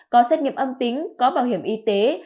có xét nghiệm âm tính có bảo hiểm y tế